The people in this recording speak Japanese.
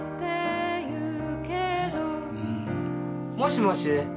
もしもし。